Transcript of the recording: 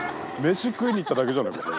飯食いに行っただけじゃないか。